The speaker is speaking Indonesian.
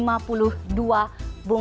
terakhir kita lihat di hongkong